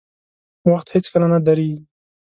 • وخت هیڅکله نه درېږي.